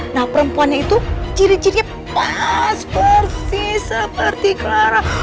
nah perempuannya itu ciri ciri pas persis seperti clara